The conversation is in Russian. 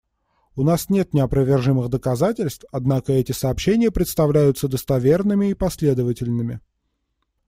У нас нет неопровержимых доказательств, однако эти сообщения представляются достоверными и последовательными.